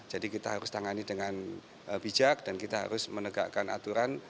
jadi kita harus tangani dengan bijak dan kita harus menegakkan aturan